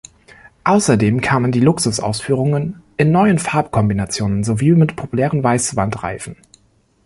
Außerdem kamen die Luxus-Ausführungen in neuen Farbkombinationen sowie mit populären Weißwandreifen.